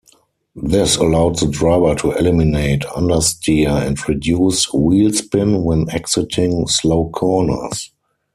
This allowed the driver to eliminate understeer and reduce wheelspin when exiting slow corners.